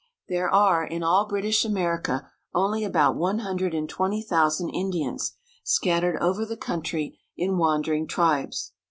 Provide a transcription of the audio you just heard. There are, in all British America, only about one hundred and twenty thousand Indians, scattered over the country in wandering tribes.